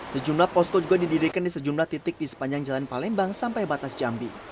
sejumlah posko juga didirikan di sejumlah titik di sepanjang jalan palembang sampai batas jambi